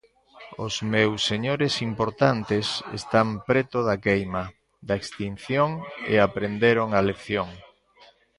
Os meus señores importantes están preto da queima, da extinción, e aprenderon a lección.